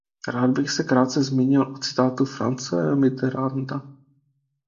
Rád bych se krátce zmínil o citátu Françoise Mitterranda.